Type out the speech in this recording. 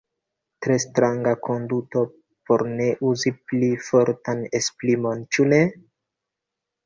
Tre stranga konduto por ne uzi pli fortan esprimon ĉu ne?